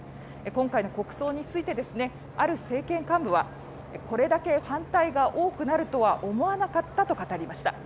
今回の国葬についてある政権幹部はこれだけ反対が多くなるとは思わなかったと語りました。